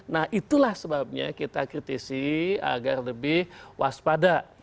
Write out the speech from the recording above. nah itulah sebabnya kita kritisi agar lebih waspada